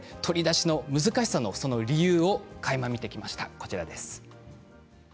取り出しの難しさの理由をかいまみてきました。